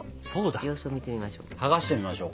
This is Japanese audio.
様子を見てみましょう。